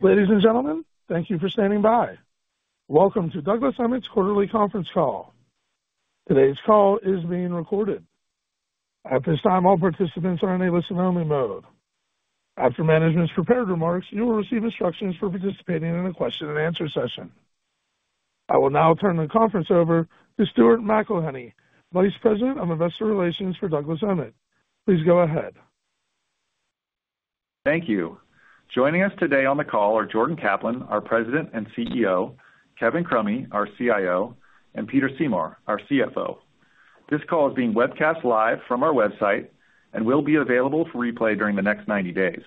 Ladies and gentlemen, thank you for standing by. Welcome to Douglas Emmett's quarterly conference call. Today's call is being recorded. At this time, all participants are in a listen-only mode. After management's prepared remarks, you will receive instructions for participating in a question and answer session. I will now turn the conference over to Stuart McElhinney, Vice President of Investor Relations for Douglas Emmett. Please go ahead. Thank you. Joining us today on the call are Jordan Kaplan, our President and CEO, Kevin Crummy, our CIO, and Peter Seymour, our CFO. This call is being webcast live from our website and will be available for replay during the next 90 days.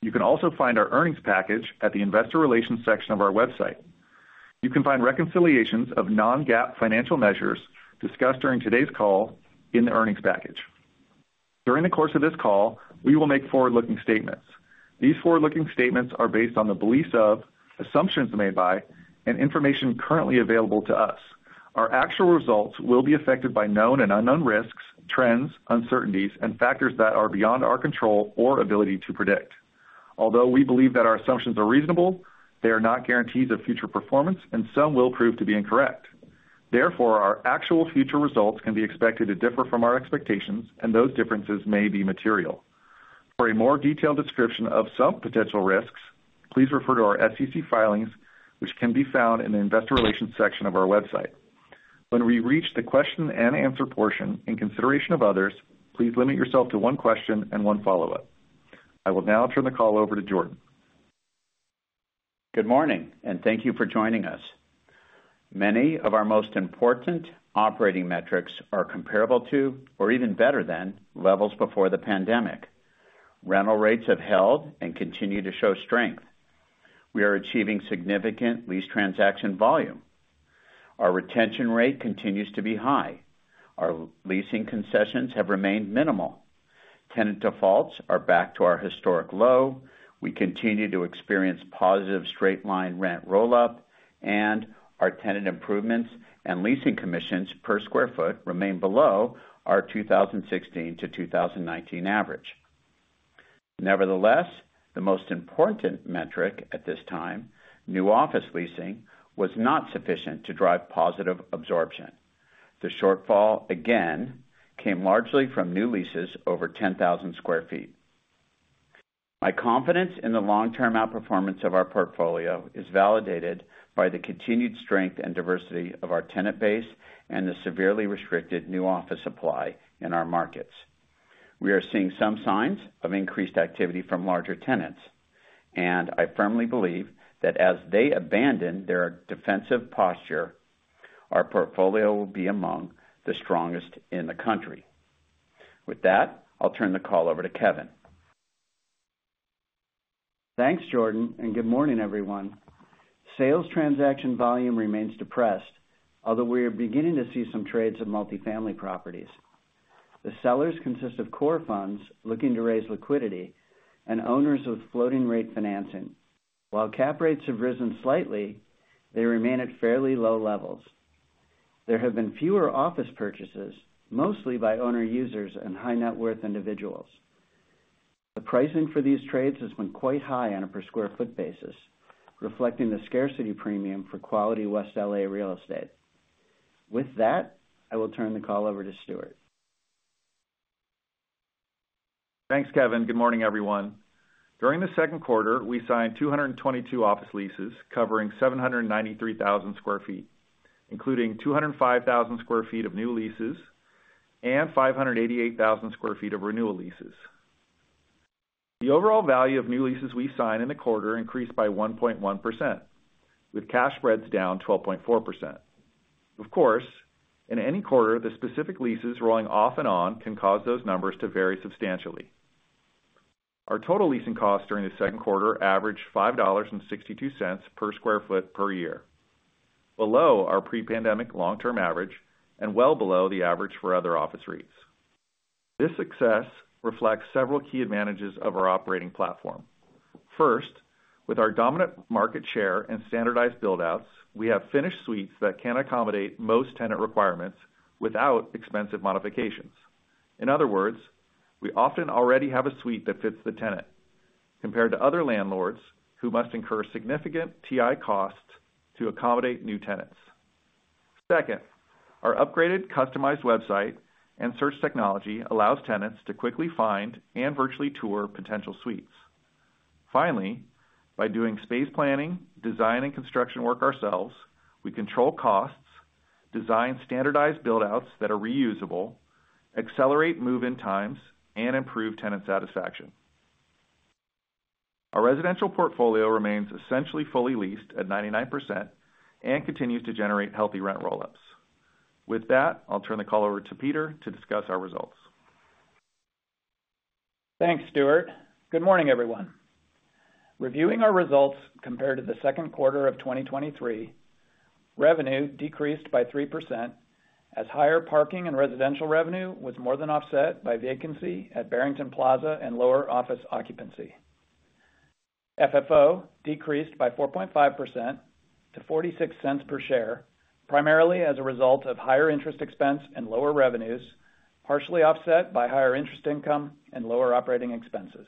You can also find our earnings package at the Investor Relations section of our website. You can find reconciliations of non-GAAP financial measures discussed during today's call in the earnings package. During the course of this call, we will make forward-looking statements. These forward-looking statements are based on the beliefs of, assumptions made by, and information currently available to us. Our actual results will be affected by known and unknown risks, trends, uncertainties, and factors that are beyond our control or ability to predict. Although we believe that our assumptions are reasonable, they are not guarantees of future performance, and some will prove to be incorrect. Therefore, our actual future results can be expected to differ from our expectations, and those differences may be material. For a more detailed description of some potential risks, please refer to our SEC filings, which can be found in the Investor Relations section of our website. When we reach the question and answer portion, in consideration of others, please limit yourself to one question and one follow-up. I will now turn the call over to Jordan. Good morning, and thank you for joining us. Many of our most important operating metrics are comparable to, or even better than, levels before the pandemic. Rental rates have held and continue to show strength. We are achieving significant lease transaction volume. Our retention rate continues to be high. Our leasing concessions have remained minimal. Tenant defaults are back to our historic low. We continue to experience positive straight-line rent roll-up, and our tenant improvements and leasing commissions per sq ft remain below our 2016-2019 average. Nevertheless, the most important metric at this time, new office leasing, was not sufficient to drive positive absorption. The shortfall, again, came largely from new leases over 10,000 sq ft. My confidence in the long-term outperformance of our portfolio is validated by the continued strength and diversity of our tenant base and the severely restricted new office supply in our markets. We are seeing some signs of increased activity from larger tenants, and I firmly believe that as they abandon their defensive posture, our portfolio will be among the strongest in the country. With that, I'll turn the call over to Kevin. Thanks, Jordan, and good morning, everyone. Sales transaction volume remains depressed, although we are beginning to see some trades of multifamily properties. The sellers consist of core funds looking to raise liquidity and owners of floating rate financing. While cap rates have risen slightly, they remain at fairly low levels. There have been fewer office purchases, mostly by owner-users and high-net-worth individuals. The pricing for these trades has been quite high on a per sq ft basis, reflecting the scarcity premium for quality West LA real estate. With that, I will turn the call over to Stuart. Thanks, Kevin. Good morning, everyone. During the second quarter, we signed 222 office leases covering 793,000 sq ft, including 205,000 sq ft of new leases and 588,000 sq ft of renewal leases. The overall value of new leases we signed in the quarter increased by 1.1%, with cash spreads down 12.4%. Of course, in any quarter, the specific leases rolling off and on can cause those numbers to vary substantially. Our total leasing costs during the second quarter averaged $5.62 per sq ft per year, below our pre-pandemic long-term average and well below the average for other office rates. This success reflects several key advantages of our operating platform. First, with our dominant market share and standardized buildouts, we have finished suites that can accommodate most tenant requirements without expensive modifications. In other words, we often already have a suite that fits the tenant, compared to other landlords who must incur significant TI costs to accommodate new tenants. Second, our upgraded, customized website and search technology allows tenants to quickly find and virtually tour potential suites. Finally, by doing space planning, design, and construction work ourselves, we control costs, design standardized buildouts that are reusable, accelerate move-in times, and improve tenant satisfaction. Our residential portfolio remains essentially fully leased at 99% and continues to generate healthy rent roll-ups. With that, I'll turn the call over to Peter to discuss our results. Thanks, Stuart. Good morning, everyone. Reviewing our results compared to the second quarter of 2023, revenue decreased by 3%, as higher parking and residential revenue was more than offset by vacancy at Barrington Plaza and lower office occupancy. FFO decreased by 4.5% to $0.46 per share, primarily as a result of higher interest expense and lower revenues-... partially offset by higher interest income and lower operating expenses.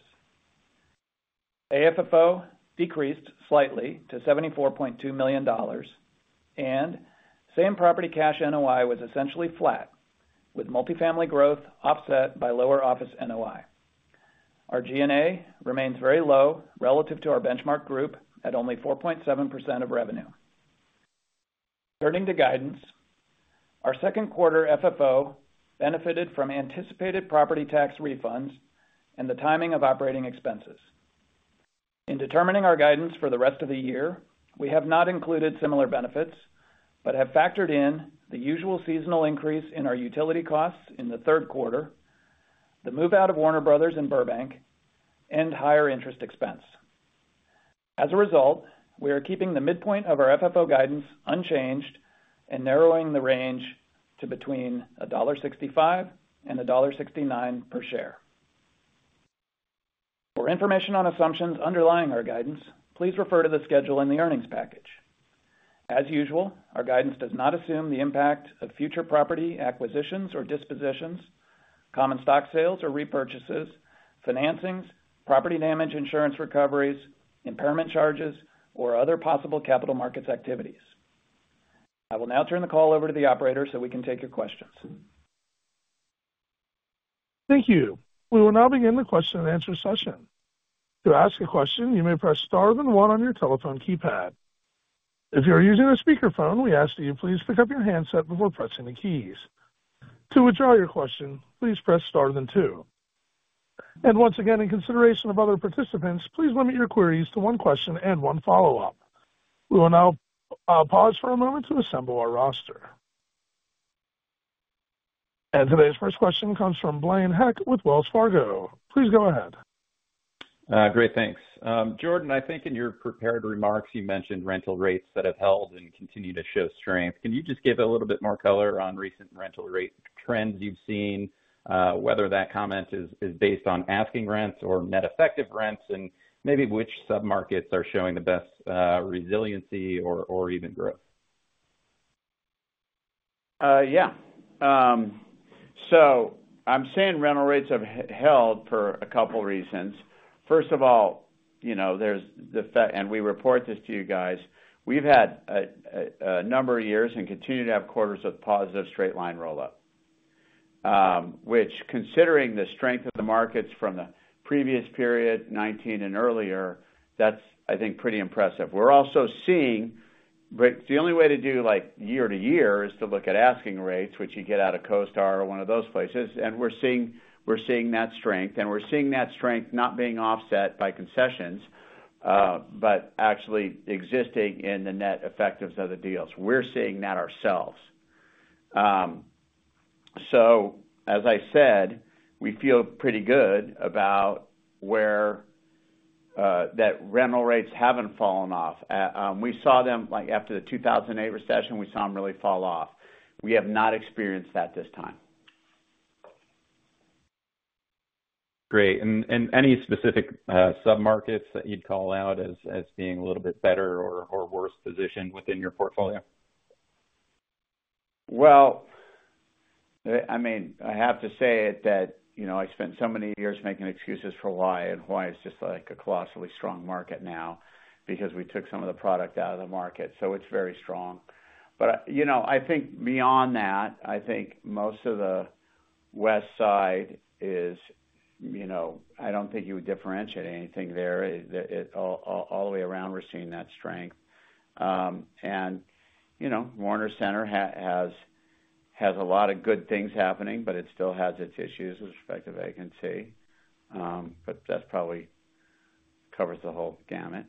AFFO decreased slightly to $74.2 million, and same-property cash NOI was essentially flat, with multifamily growth offset by lower office NOI. Our G&A remains very low relative to our benchmark group at only 4.7% of revenue. Turning to guidance. Our second quarter FFO benefited from anticipated property tax refunds and the timing of operating expenses. In determining our guidance for the rest of the year, we have not included similar benefits, but have factored in the usual seasonal increase in our utility costs in the third quarter, the move-out of Warner Bros. in Burbank, and higher interest expense. As a result, we are keeping the midpoint of our FFO guidance unchanged and narrowing the range to between $1.65 and $1.69 per share. For information on assumptions underlying our guidance, please refer to the schedule in the earnings package. As usual, our guidance does not assume the impact of future property acquisitions or dispositions, common stock sales or repurchases, financings, property damage, insurance recoveries, impairment charges, or other possible capital markets activities. I will now turn the call over to the operator so we can take your questions. Thank you. We will now begin the question-and-answer session. To ask a question, you may press star then one on your telephone keypad. If you are using a speakerphone, we ask that you please pick up your handset before pressing the keys. To withdraw your question, please press star then two. And once again, in consideration of other participants, please limit your queries to one question and one follow-up. We will now pause for a moment to assemble our roster. Today's first question comes from Blaine Heck with Wells Fargo. Please go ahead. Great, thanks. Jordan, I think in your prepared remarks, you mentioned rental rates that have held and continue to show strength. Can you just give a little bit more color on recent rental rate trends you've seen, whether that comment is based on asking rents or net effective rents, and maybe which submarkets are showing the best resiliency or even growth? Yeah. So I'm saying rental rates have held for a couple reasons. First of all, you know, there's the fact and we report this to you guys, we've had a number of years and continue to have quarters of positive straight-line roll-up. Which considering the strength of the markets from the previous period, 2019 and earlier, that's, I think, pretty impressive. We're also seeing... But the only way to do, like, year-to-year is to look at asking rates, which you get out of CoStar or one of those places. And we're seeing, we're seeing that strength, and we're seeing that strength not being offset by concessions, but actually existing in the net effectives of the deals. We're seeing that ourselves. So as I said, we feel pretty good about where that rental rates haven't fallen off. We saw them, like, after the 2008 recession, we saw them really fall off. We have not experienced that this time. Great. And any specific submarkets that you'd call out as being a little bit better or worse positioned within your portfolio? Well, I mean, I have to say it, that, you know, I spent so many years making excuses for Hawaii, and Hawaii is just like a colossally strong market now because we took some of the product out of the market, so it's very strong. But, you know, I think beyond that, I think most of the Westside is, you know, I don't think you would differentiate anything there. It all, all the way around, we're seeing that strength. And, you know, Warner Center has a lot of good things happening, but it still has its issues with respect to vacancy. But that probably covers the whole gamut.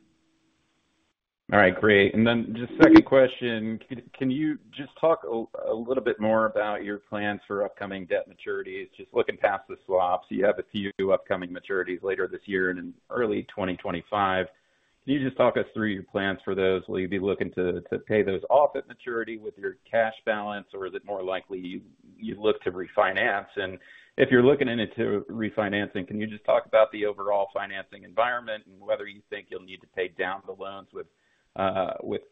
All right, great. And then just second question, can you just talk a little bit more about your plans for upcoming debt maturities? Just looking past the swaps, you have a few upcoming maturities later this year and in early 2025. Can you just talk us through your plans for those? Will you be looking to pay those off at maturity with your cash balance, or is it more likely you look to refinance? And if you're looking into refinancing, can you just talk about the overall financing environment and whether you think you'll need to pay down the loans with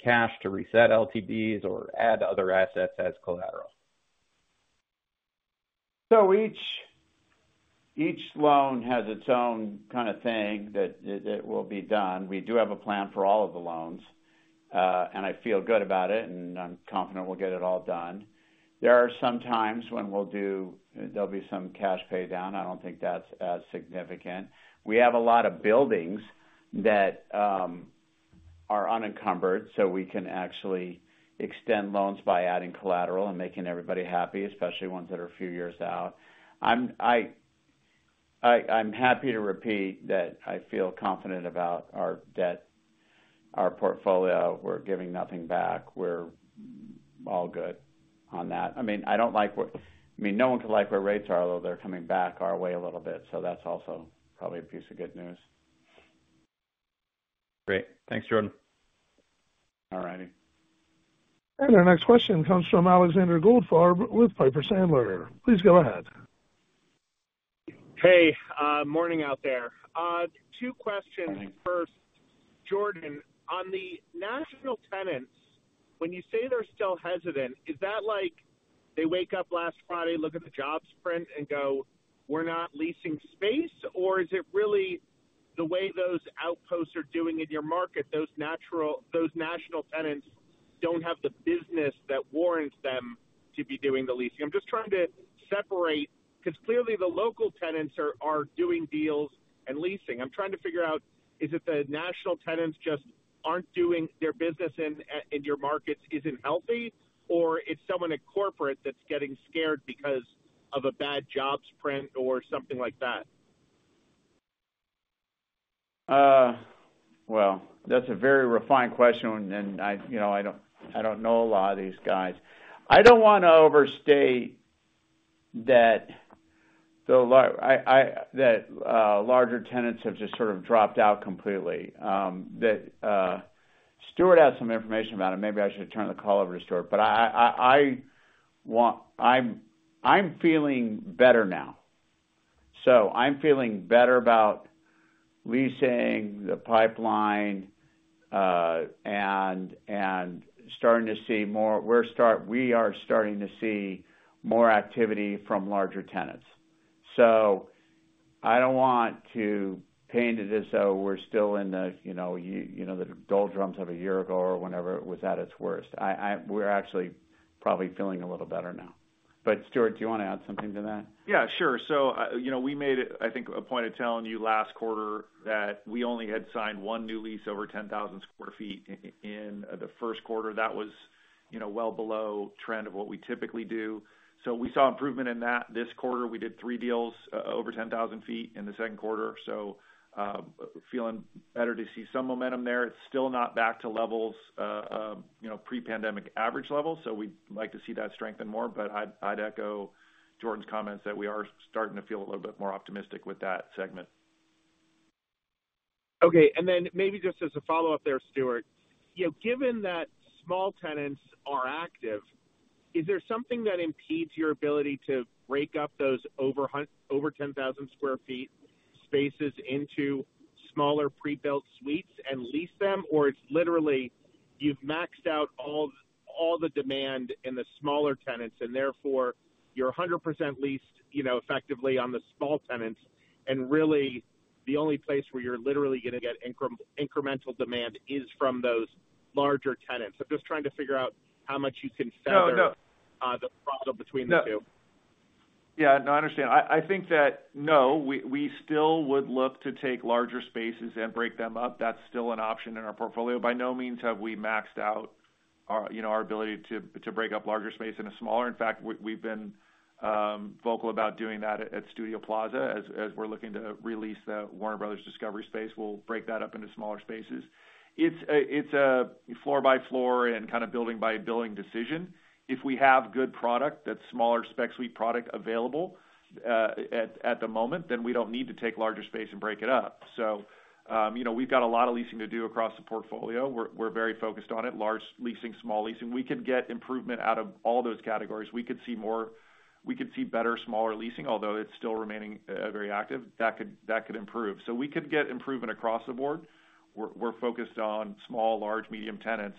cash to reset LTVs or add other assets as collateral? So each loan has its own kind of thing that will be done. We do have a plan for all of the loans, and I feel good about it, and I'm confident we'll get it all done. There are some times when we'll do—there'll be some cash paydown. I don't think that's as significant. We have a lot of buildings that are unencumbered, so we can actually extend loans by adding collateral and making everybody happy, especially ones that are a few years out. I'm happy to repeat that I feel confident about our debt, our portfolio. We're giving nothing back. We're all good on that. I mean, I don't like what... I mean, no one can like where rates are, although they're coming back our way a little bit, so that's also probably a piece of good news. Great. Thanks, Jordan. All right. Our next question comes from Alexander Goldfarb with Piper Sandler. Please go ahead.... Hey, morning out there. Two questions. First, Jordan, on the national tenants, when you say they're still hesitant, is that like they wake up last Friday, look at the jobs print, and go, "We're not leasing space?" Or is it really the way those outposts are doing in your market, those national tenants don't have the business that warrants them to be doing the leasing? I'm just trying to separate, 'cause clearly, the local tenants are doing deals and leasing. I'm trying to figure out, is it the national tenants just aren't doing their business in your markets isn't healthy, or it's someone in corporate that's getting scared because of a bad jobs print or something like that? Well, that's a very refined question, and I, you know, I don't, I don't know a lot of these guys. I don't wanna overstate that larger tenants have just sort of dropped out completely. That Stuart had some information about it. Maybe I should turn the call over to Stuart. But I want-- I'm feeling better now. So I'm feeling better about leasing the pipeline, and starting to see more. We are starting to see more activity from larger tenants. So I don't want to paint it as though we're still in the, you know, the doldrums of a year ago or whenever it was at its worst. We're actually probably feeling a little better now. But, Stuart, do you wanna add something to that? Yeah, sure. So, you know, we made it, I think, a point of telling you last quarter that we only had signed one new lease over 10,000 sq ft in the first quarter. That was, you know, well below trend of what we typically do. So we saw improvement in that. This quarter, we did three deals over 10,000 sq ft in the second quarter, so, feeling better to see some momentum there. It's still not back to levels, you know, pre-pandemic average levels, so we'd like to see that strengthen more. But I'd, I'd echo Jordan's comments that we are starting to feel a little bit more optimistic with that segment. Okay, and then maybe just as a follow-up there, Stuart, you know, given that small tenants are active, is there something that impedes your ability to break up those over 10,000 sq ft spaces into smaller pre-built suites and lease them? Or it's literally, you've maxed out all the demand in the smaller tenants, and therefore, you're 100% leased, you know, effectively on the small tenants, and really, the only place where you're literally gonna get incremental demand is from those larger tenants. I'm just trying to figure out how much you can feather- No, no - the throttle between the two. Yeah, no, I understand. I, I think that, no, we, we still would look to take larger spaces and break them up. That's still an option in our portfolio. By no means have we maxed out our, you know, our ability to, to break up larger space into smaller. In fact, we've been vocal about doing that at Studio Plaza. As we're looking to re-lease the Warner Bros. Discovery space, we'll break that up into smaller spaces. It's a floor-by-floor and kind of building-by-building decision. If we have good product, that smaller spec suite product available at the moment, then we don't need to take larger space and break it up. So, you know, we've got a lot of leasing to do across the portfolio. We're very focused on it, large leasing, small leasing. We could get improvement out of all those categories. We could see more. We could see better, smaller leasing, although it's still remaining, very active. That could, that could improve. So we could get improvement across the board. We're, we're focused on small, large, medium tenants.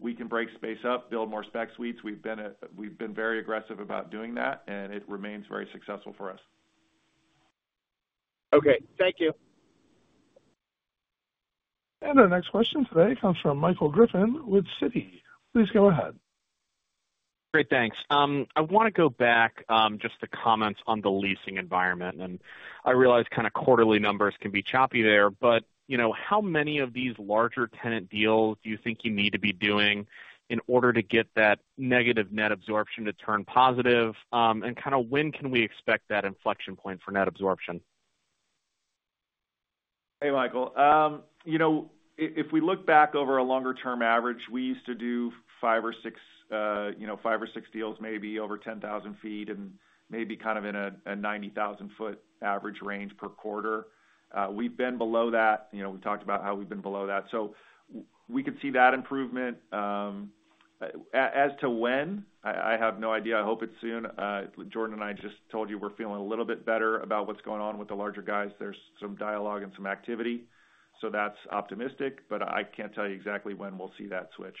We can break space up, build more spec suites. We've been, we've been very aggressive about doing that, and it remains very successful for us. Okay. Thank you. Our next question today comes from Michael Griffin with Citi. Please go ahead. Great, thanks. I wanna go back, just the comments on the leasing environment, and I realize kind of quarterly numbers can be choppy there, but, you know, how many of these larger tenant deals do you think you need to be doing in order to get that negative net absorption to turn positive? And kind of when can we expect that inflection point for net absorption? Hey, Michael. You know, if we look back over a longer-term average, we used to do 5 or 6, you know, 5 or 6 deals, maybe over 10,000 sq ft and maybe kind of in a 90,000-sq ft average range per quarter. We've been below that. You know, we talked about how we've been below that, so we could see that improvement. As to when, I have no idea. I hope it's soon. Jordan and I just told you we're feeling a little bit better about what's going on with the larger guys. There's some dialogue and some activity, so that's optimistic, but I can't tell you exactly when we'll see that switch.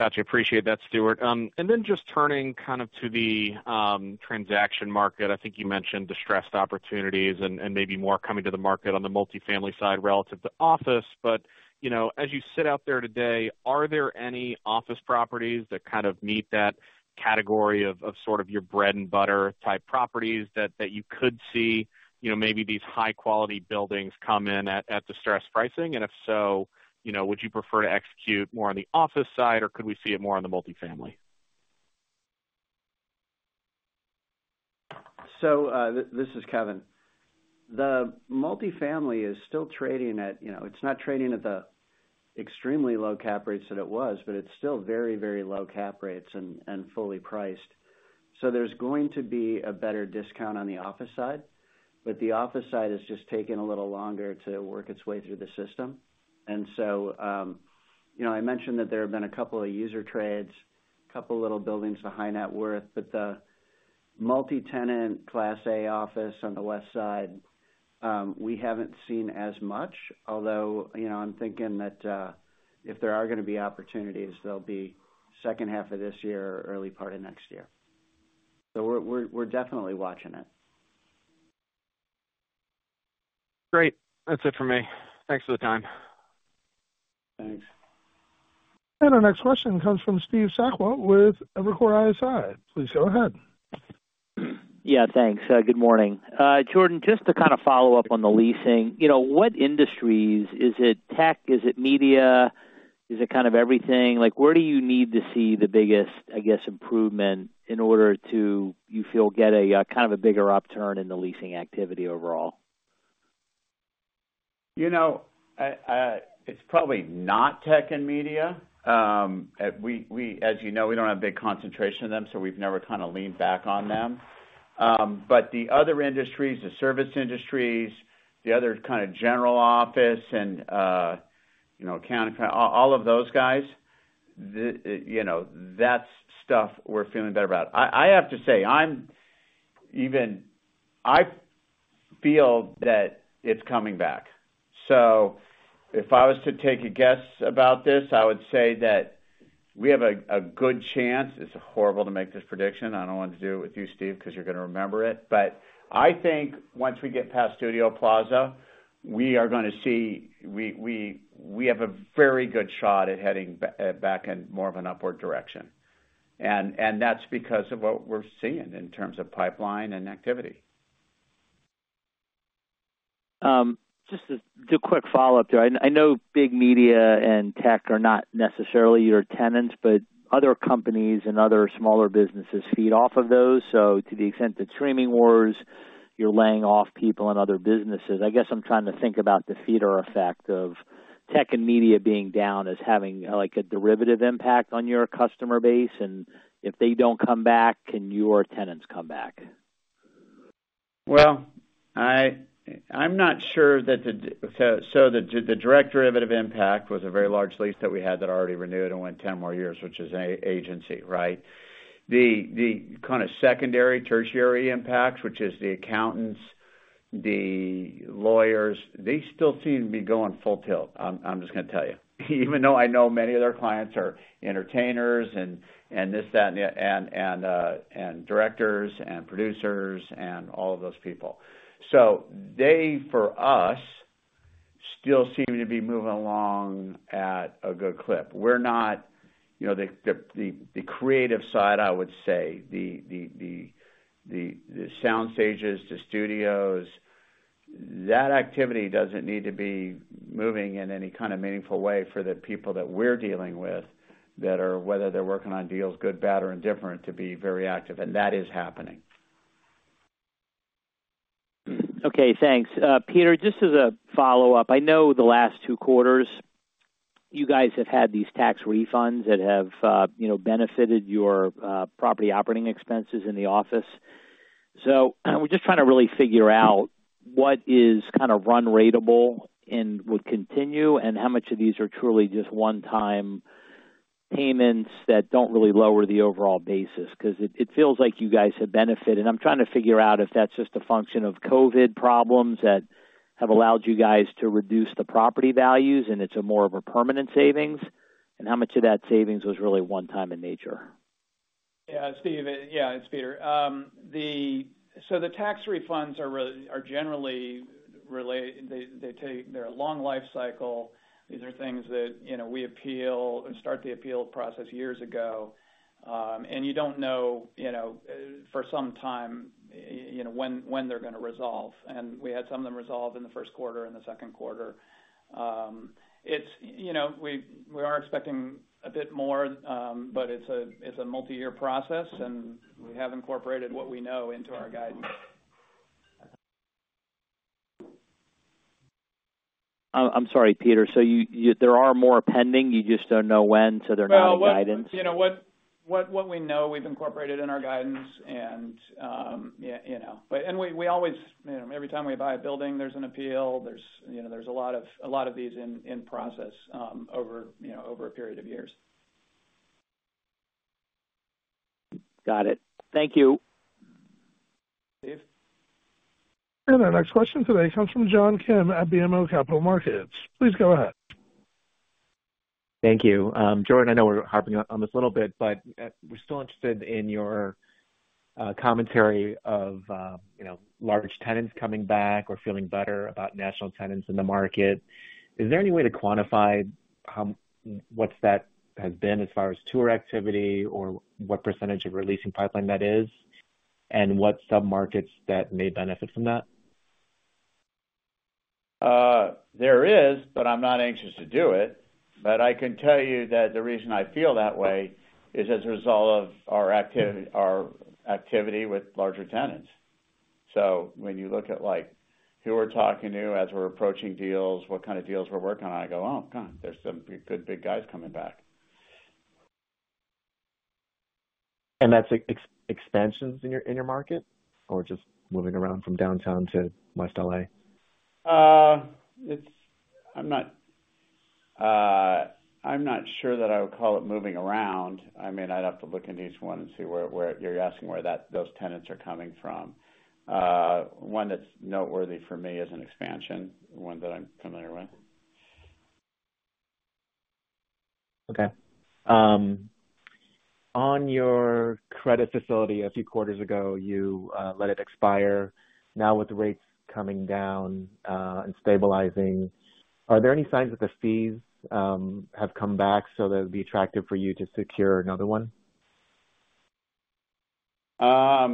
Gotcha. Appreciate that, Stuart. And then just turning kind of to the transaction market. I think you mentioned distressed opportunities and, and maybe more coming to the market on the multifamily side relative to office. But, you know, as you sit out there today, are there any office properties that kind of meet that category of, of sort of your bread-and-butter-type properties that, that you could see, you know, maybe these high-quality buildings come in at, at distressed pricing? And if so, you know, would you prefer to execute more on the office side, or could we see it more on the multifamily? So, this is Kevin. The multifamily is still trading at, you know, it's not trading at the extremely low cap rates that it was, but it's still very, very low cap rates and fully priced. So there's going to be a better discount on the office side. But the office side has just taken a little longer to work its way through the system. And so, you know, I mentioned that there have been a couple of user trades, a couple of little buildings of high net worth, but the multi-tenant class A office on the west side, we haven't seen as much. Although, you know, I'm thinking that, if there are gonna be opportunities, they'll be second half of this year or early part of next year. So we're definitely watching it. Great. That's it for me. Thanks for the time. Thanks. Our next question comes from Steve Sakwa with Evercore ISI. Please go ahead. Yeah, thanks. Good morning. Jordan, just to kind of follow up on the leasing, you know, what industries, is it tech? Is it media? Is it kind of everything? Like, where do you need to see the biggest, I guess, improvement in order to, you feel, get a kind of a bigger upturn in the leasing activity overall? You know, it's probably not tech and media. As you know, we don't have a big concentration of them, so we've never kind of leaned back on them. But the other industries, the service industries, the other kind of general office and, you know, accounting, all of those guys, you know, that's stuff we're feeling better about. I have to say, I feel that it's coming back. So if I was to take a guess about this, I would say that we have a good chance. It's horrible to make this prediction. I don't want to do it with you, Steve, because you're gonna remember it. But I think once we get past Studio Plaza, we are gonna see we have a very good shot at heading back in more of an upward direction. And that's because of what we're seeing in terms of pipeline and activity. Just a quick follow-up there. I know big media and tech are not necessarily your tenants, but other companies and other smaller businesses feed off of those. So to the extent the streaming wars, you're laying off people and other businesses. I guess I'm trying to think about the feeder effect of tech and media being down as having, like, a derivative impact on your customer base. And if they don't come back, can your tenants come back? Well, I'm not sure that the— So, the derivative impact was a very large lease that we had that already renewed and went 10 more years, which is an agency, right? The kind of secondary, tertiary impacts, which is the accountants, the lawyers, they still seem to be going full tilt. I'm just gonna tell you. Even though I know many of their clients are entertainers and this, that, and directors and producers and all of those people. So they, for us, still seem to be moving along at a good clip. We're not, you know, the creative side, I would say, the sound stages, the studios, that activity doesn't need to be moving in any kind of meaningful way for the people that we're dealing with, that are, whether they're working on deals, good, bad, or indifferent, to be very active, and that is happening. Okay, thanks. Peter, just as a follow-up, I know the last two quarters, you guys have had these tax refunds that have, you know, benefited your, property operating expenses in the office. So, we're just trying to really figure out what is kind of run ratable and would continue, and how much of these are truly just one-time payments that don't really lower the overall basis. Because it feels like you guys have benefited. I'm trying to figure out if that's just a function of COVID problems that have allowed you guys to reduce the property values, and it's more of a permanent savings, and how much of that savings was really one-time in nature. Yeah, Steve. Yeah, it's Peter. So the tax refunds are generally related. They, they take... They're a long life cycle. These are things that, you know, we appeal and start the appeal process years ago, and you don't know, you know, for some time, you know, when, when they're gonna resolve. And we had some of them resolve in the first quarter and the second quarter. It's, you know, we, we are expecting a bit more, but it's a, it's a multi-year process, and we have incorporated what we know into our guidance. I'm sorry, Peter. So you, there are more pending, you just don't know when, so they're not in guidance? Well, what we know, we've incorporated in our guidance, and, yeah, you know... But-- and we always, you know, every time we buy a building, there's an appeal. There's, you know, there's a lot of these in process, over a period of years. Got it. Thank you. Steve? Our next question today comes from John Kim at BMO Capital Markets. Please go ahead. Thank you. Jordan, I know we're harping on this a little bit, but, we're still interested in your, commentary of, you know, large tenants coming back or feeling better about national tenants in the market. Is there any way to quantify how what's that has been as far as tour activity or what percentage of your leasing pipeline that is, and what submarkets that may benefit from that? There is, but I'm not anxious to do it. But I can tell you that the reason I feel that way is as a result of our activity, our activity with larger tenants. So when you look at, like, who we're talking to, as we're approaching deals, what kind of deals we're working on, I go, "Oh, God, there's some good big guys coming back.... that's expansions in your, in your market, or just moving around from downtown to West LA? I'm not sure that I would call it moving around. I mean, I'd have to look into each one and see where you're asking where those tenants are coming from. One that's noteworthy for me is an expansion, one that I'm familiar with. Okay. On your credit facility, a few quarters ago, you let it expire. Now, with the rates coming down and stabilizing, are there any signs that the fees have come back so that it'd be attractive for you to secure another one? I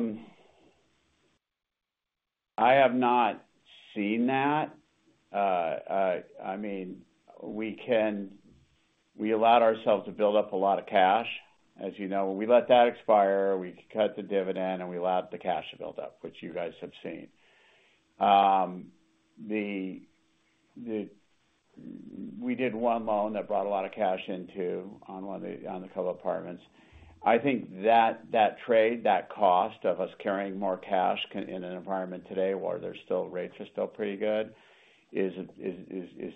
have not seen that. I mean, we allowed ourselves to build up a lot of cash. As you know, we let that expire, we cut the dividend, and we allowed the cash to build up, which you guys have seen. We did one loan that brought a lot of cash into, on one of the, on a couple of apartments. I think that trade, that cost of us carrying more cash can in an environment today, where there's still rates are still pretty good, is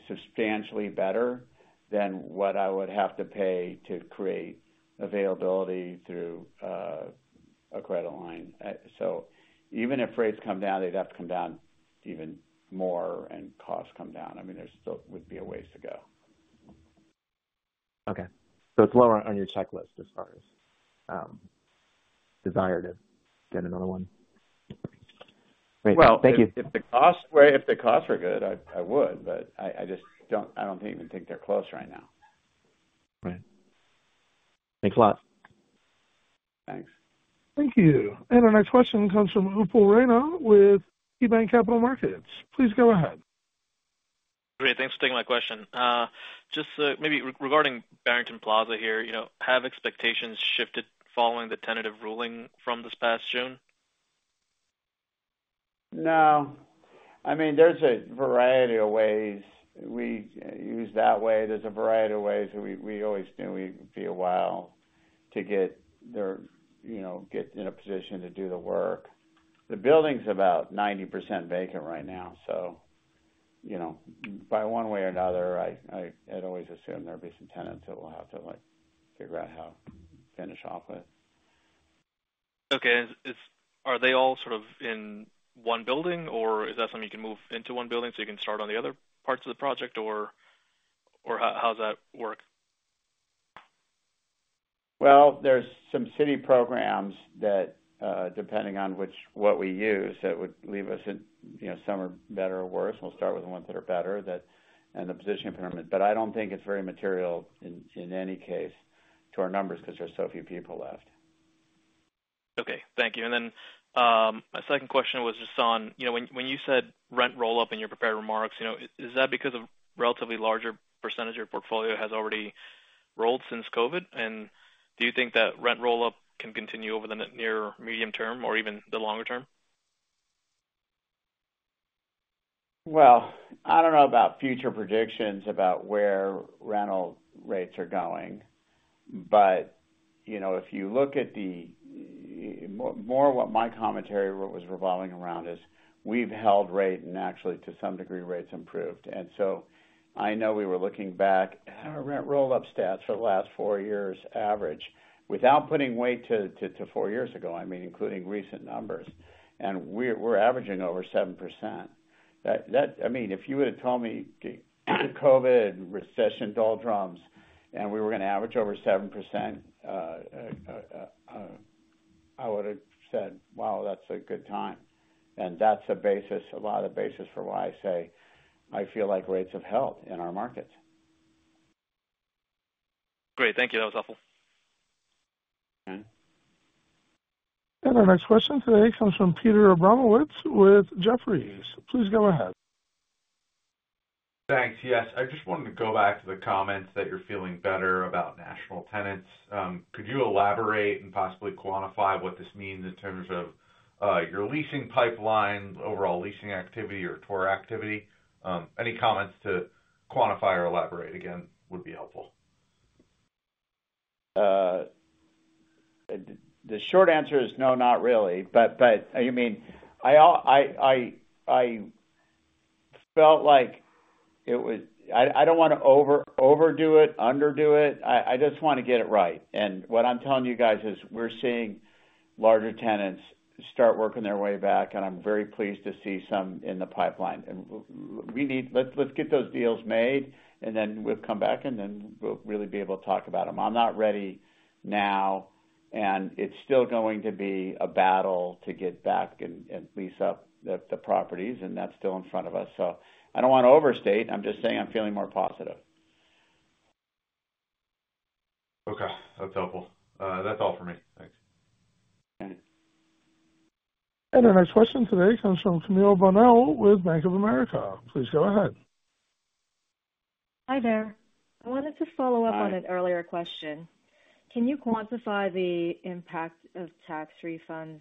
substantially better than what I would have to pay to create availability through a credit line. So even if rates come down, they'd have to come down even more and costs come down. I mean, there still would be a ways to go. Okay. So it's lower on your checklist as far as, desire to get another one? Great. Thank you. Well, if the costs are good, I would, but I just don't even think they're close right now. Right. Thanks a lot. Thanks. Thank you. Our next question comes from Upal Rana with KeyBanc Capital Markets. Please go ahead. Great. Thanks for taking my question. Just, maybe regarding Barrington Plaza here, you know, have expectations shifted following the tentative ruling from this past June? No. I mean, there's a variety of ways we use that way. There's a variety of ways we always knew it would be a while to get there, you know, get in a position to do the work. The building's about 90% vacant right now, so, you know, by one way or another, I'd always assume there be some tenants that will have to, like, figure out how to finish off with. Okay. And are they all sort of in one building, or is that something you can move into one building, so you can start on the other parts of the project, or how does that work? Well, there's some city programs that, depending on which what we use, that would leave us in, you know, some are better or worse. We'll start with the ones that are better, that and the position permit. But I don't think it's very material in any case, to our numbers because there's so few people left. Okay. Thank you. And then, my second question was just on, you know, when you said rent roll-up in your prepared remarks, you know, is that because of relatively larger percentage of your portfolio has already rolled since COVID? And do you think that rent roll-up can continue over the near medium term or even the longer term? Well, I don't know about future predictions about where rental rates are going, but, you know, if you look at the... More what my commentary was revolving around is, we've held rate, and actually, to some degree, rates improved. And so I know we were looking back at our rent roll-up stats for the last four years average, without putting weight to four years ago, I mean, including recent numbers, and we're averaging over 7%. That, that-- I mean, if you would've told me, COVID, and recession doldrums, and we were going to average over 7%, I would've said, "Wow, that's a good time." And that's a basis, a lot of basis for why I say, I feel like rates have held in our markets. Great. Thank you. That was helpful. Mm-hmm. Our next question today comes from Peter Abramowitz with Jefferies. Please go ahead. Thanks. Yes, I just wanted to go back to the comments that you're feeling better about national tenants. Could you elaborate and possibly quantify what this means in terms of, your leasing pipeline, overall leasing activity, or tour activity? Any comments to quantify or elaborate again would be helpful. The short answer is no, not really. But, I mean, I felt like it was... I don't want to overdo it, underdo it. I just want to get it right. And what I'm telling you guys is we're seeing larger tenants start working their way back, and I'm very pleased to see some in the pipeline. And we need—Let's get those deals made, and then we'll come back, and then we'll really be able to talk about them. I'm not ready now, and it's still going to be a battle to get back and lease up the properties, and that's still in front of us. So I don't want to overstate. I'm just saying I'm feeling more positive. Okay, that's helpful. That's all for me. Thanks. All right. Our next question today comes from Camille Bonnel with Bank of America. Please go ahead. Hi there. I wanted to follow up- Hi. -on an earlier question. Can you quantify the impact of tax refunds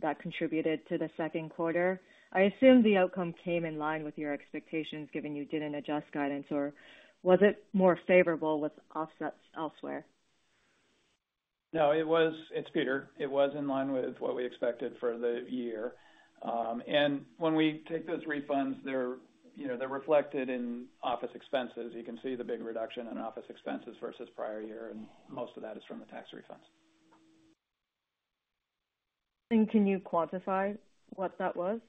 that contributed to the second quarter? I assume the outcome came in line with your expectations, given you didn't adjust guidance, or was it more favorable with offsets elsewhere? No, it was. It's Peter. It was in line with what we expected for the year. And when we take those refunds, they're, you know, they're reflected in office expenses. You can see the big reduction in office expenses versus prior year, and most of that is from the tax refunds. Can you quantify what that was?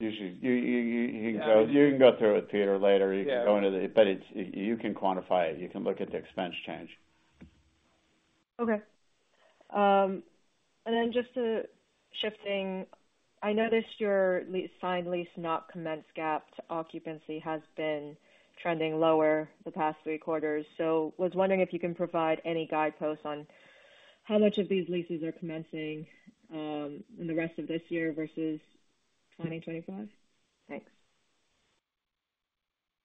Usually, you can go through it, Peter, later. Yeah. But it's, you can quantify it. You can look at the expense change. Okay. And then just shifting, I noticed your signed lease not commenced gap occupancy has been trending lower the past three quarters. So I was wondering if you can provide any guideposts on how much of these leases are commencing in the rest of this year versus 2025? Thanks.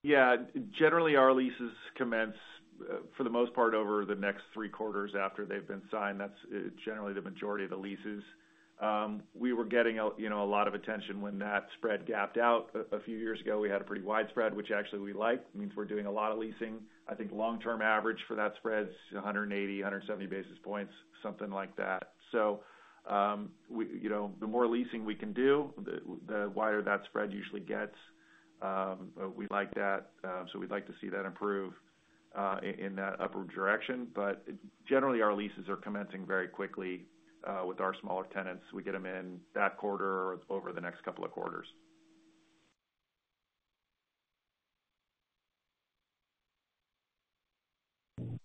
Yeah, generally, our leases commence for the most part over the next three quarters after they've been signed. That's generally the majority of the leases. We were getting, you know, a lot of attention when that spread gapped out. A few years ago, we had a pretty wide spread, which actually we like. It means we're doing a lot of leasing. I think long-term average for that spread is 180, 170 basis points, something like that. So, we, you know, the more leasing we can do, the wider that spread usually gets. We like that, so we'd like to see that improve in that upward direction. But generally, our leases are commencing very quickly with our smaller tenants. We get them in that quarter over the next couple of quarters.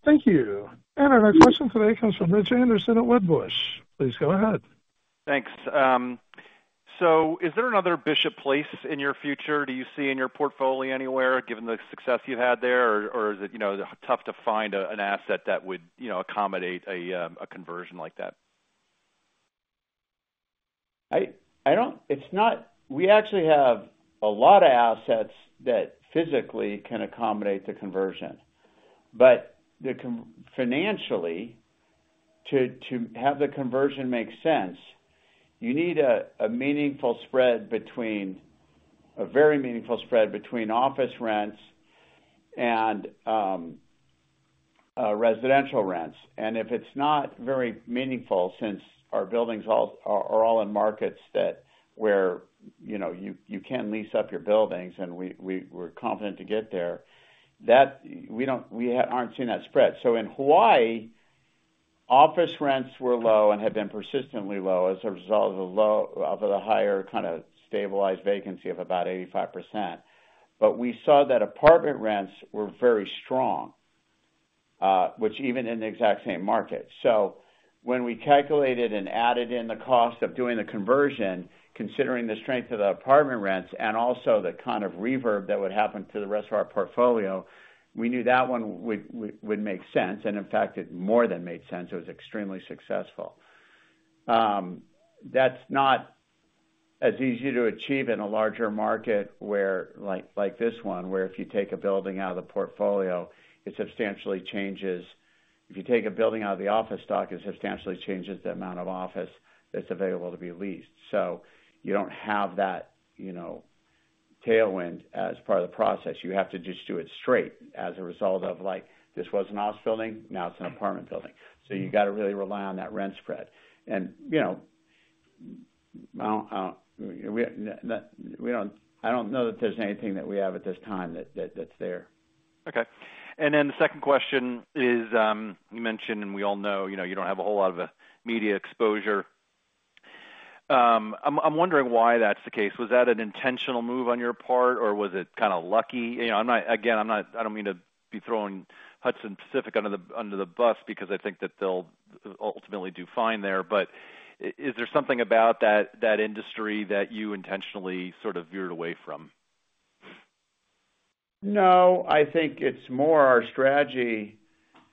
Thank you. And our next question today comes from Rich Anderson at Wedbush. Please go ahead. Thanks. So is there another Bishop Place in your future, do you see in your portfolio anywhere, given the success you've had there? Or is it, you know, tough to find an asset that would, you know, accommodate a conversion like that? It's not. We actually have a lot of assets that physically can accommodate the conversion, but financially, to have the conversion make sense, you need a meaningful spread between a very meaningful spread between office rents and residential rents. And if it's not very meaningful, since our buildings are all in markets that where, you know, you can lease up your buildings, and we're confident to get there. We aren't seeing that spread. So in Hawaii, office rents were low and have been persistently low as a result of the higher, kind of, stabilized vacancy of about 85%. But we saw that apartment rents were very strong, which even in the exact same market. So when we calculated and added in the cost of doing the conversion, considering the strength of the apartment rents and also the kind of reverb that would happen to the rest of our portfolio, we knew that one would make sense, and in fact, it more than made sense. It was extremely successful. That's not as easy to achieve in a larger market where, like this one, where if you take a building out of the portfolio, it substantially changes. If you take a building out of the office stock, it substantially changes the amount of office that's available to be leased. So you don't have that, you know, tailwind as part of the process. You have to just do it straight as a result of, like, this was an office building, now it's an apartment building. So you got to really rely on that rent spread. And, you know, I don't know that there's anything that we have at this time that's there. Okay. And then the second question is, you mentioned, and we all know, you know, you don't have a whole lot of media exposure. I'm wondering why that's the case. Was that an intentional move on your part, or was it kind of lucky? You know, I'm not, again, I'm not, I don't mean to be throwing Hudson Pacific under the, under the bus because I think that they'll ultimately do fine there. But is there something about that, that industry that you intentionally sort of veered away from? No, I think it's more our strategy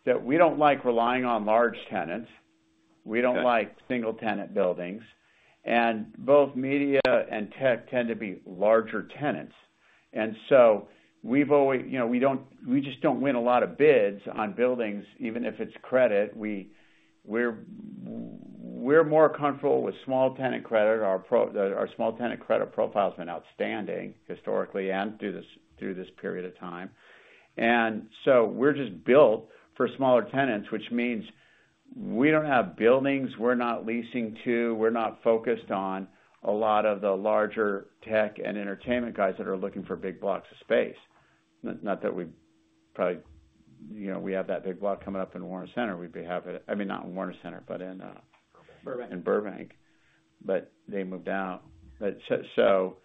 that we don't like relying on large tenants. Okay. We don't like single-tenant buildings, and both media and tech tend to be larger tenants. And so we've always, you know, we don't, we just don't win a lot of bids on buildings, even if it's credit. We're more comfortable with small tenant credit. Our small tenant credit profile has been outstanding historically and through this period of time. And so we're just built for smaller tenants, which means we don't have buildings, we're not leasing to, we're not focused on a lot of the larger tech and entertainment guys that are looking for big blocks of space. Not that we probably, you know, we have that big block coming up in Warner Center. We'd be happy to—I mean, not in Warner Center, but in— Burbank. in Burbank, but they moved out. But so, so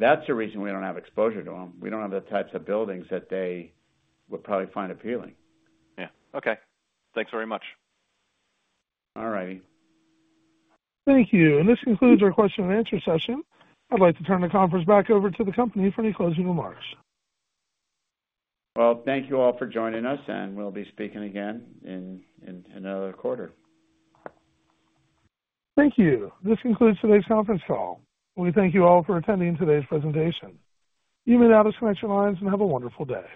that's the reason we don't have exposure to them. We don't have the types of buildings that they would probably find appealing. Yeah. Okay. Thanks very much. All right. Thank you. This concludes our question and answer session. I'd like to turn the conference back over to the company for any closing remarks. Well, thank you all for joining us, and we'll be speaking again in another quarter. Thank you. This concludes today's conference call. We thank you all for attending today's presentation. You may now disconnect your lines, and have a wonderful day.